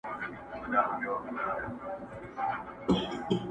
چي زما پیاله راله نسکوره له آسمانه سوله.!